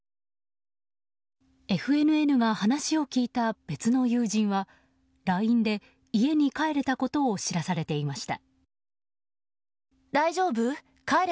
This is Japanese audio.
ＦＮＮが話を聞いた別の友人はＬＩＮＥで家に帰れたことを知らされていました。